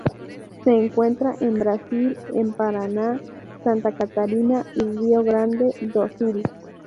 Se encuentra en Brasil en Paraná, Santa Catarina y Rio Grande do Sul.